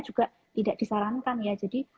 juga tidak disarankan ya jadi